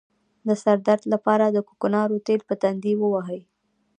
د سر درد لپاره د کوکنارو تېل په تندي ووهئ